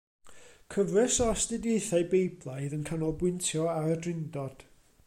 Cyfres o astudiaethau Beiblaidd yn canolbwyntio ar y Drindod.